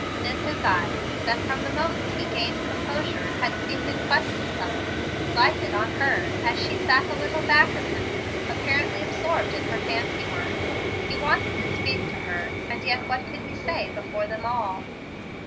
Then his eyes, that from the moment he gained composure had seemed in quest of something, lighted on her as she sat a little back of him, apparently absorbed in her fancy work. He wanted to speak to her, and yet what could he say before them all?